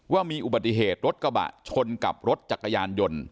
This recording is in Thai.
ว่ามีอุบัติเหตุรถกระบะชนกับรถจักรยานยนต์